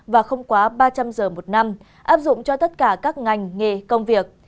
và không quá ba trăm linh giờ một năm áp dụng cho tất cả các ngành nghề công việc